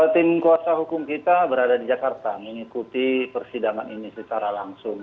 tim kuasa hukum kita berada di jakarta mengikuti persidangan ini secara langsung